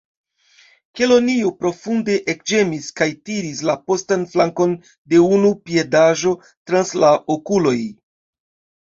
Kelonio profunde ekĝemis, kaj tiris la postan flankon de unu piedaĵo trans la okuloj.